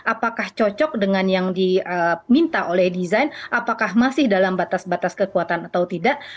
apakah cocok dengan yang diminta oleh desain apakah masih dalam batas batas kekuatan atau tidak